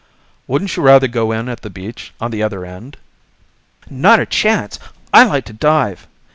"Wouldn't you rather go in at the beach on the other end?" "Not a chance. I like to dive.